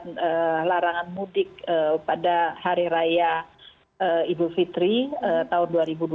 dan larangan mudik pada hari raya ibu fitri tahun dua ribu dua puluh